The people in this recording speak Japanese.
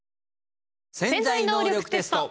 「潜在能力テスト」。